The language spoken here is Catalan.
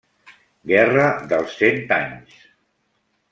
Guerra dels Cent Anys.